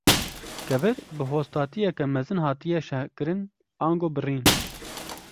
Kevir bi hostatiyeke mezin hatine şekirin, ango birîn.